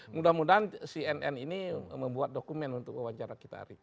mudah mudahan cnn ini membuat dokumen untuk wawancara kita hari ini